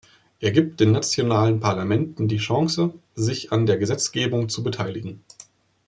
Er gibt den nationalen Parlamenten die Chance, sich an der Gesetzgebung zu beteiligen.